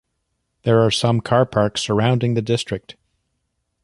There are some car parks surrounding the district.